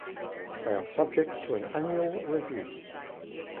They are subject to annual review.